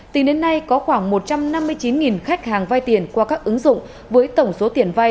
từ đến nay có khoảng một trăm năm mươi chín khách hàng vai tiền qua các ứng dụng với tổng số tiền vai